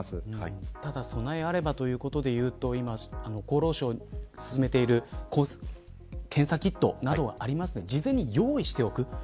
ただ、備えあればということでいうと今、厚労省がすすめている検査キットなどがありますが事前に用意しておく。